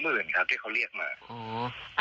เหมือนครับที่เขาเรียกมา